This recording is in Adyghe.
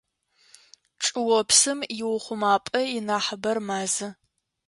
Чӏыопсым иухъумапӏэ инахьыбэр мэзы.